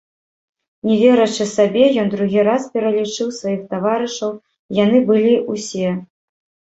Не верачы сабе, ён другі раз пералічыў сваіх таварышаў, яны былі ўсе.